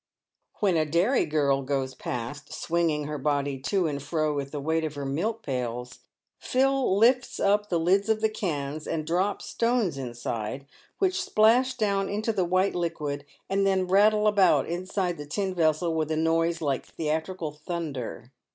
"When a dairy girl goes past, swinging her body to and fro with the weight of her milk pails, Phil lifts up the lids of the cans and drops stones inside, which splash down into the white liquid, and then rattle about inside the tin vessel with a noise like theatrical thunder.